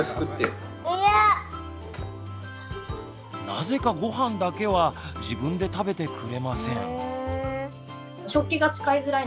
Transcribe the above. なぜかごはんだけは自分で食べてくれません。